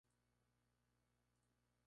usted habría partido